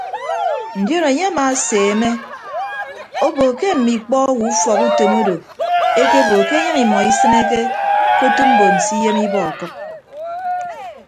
Ndion enye amaaseemme obo ke mme ikpọ owo ufọkutom odo ekebo ke enyịñ imọ isịneke ke otu mbon se iyem ibọ ọkʌk.